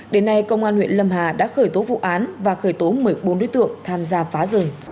đến nay công an huyện lâm hà đã khởi tố vụ án và khởi tố một mươi bốn đối tượng tham gia phá rừng